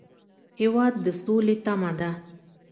هېواد د سولې تمه ده.